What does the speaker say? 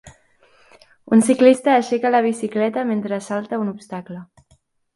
Un ciclista aixeca la bicicleta mentre salta un obstacle.